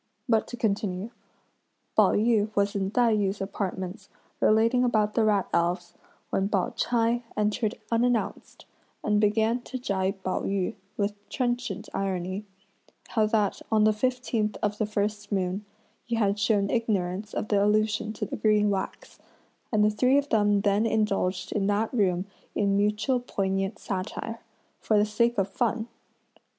But to continue. Pao yü was in Tai yü's apartments relating about the rat elves, when Pao ch'ai entered unannounced, and began to gibe Pao yü, with trenchant irony: how that on the fifteenth of the first moon, he had shown ignorance of the allusion to the green wax; and the three of them then indulged in that room in mutual poignant satire, for the sake of fun.